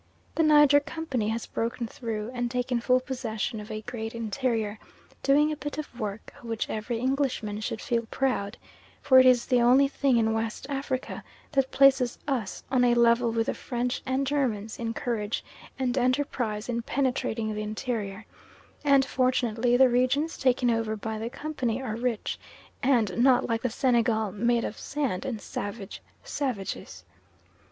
The Niger Company has broken through, and taken full possession of a great interior, doing a bit of work of which every Englishman should feel proud, for it is the only thing in West Africa that places us on a level with the French and Germans in courage and enterprise in penetrating the interior, and fortunately the regions taken over by the Company are rich and not like the Senegal "made of sand and savage savages."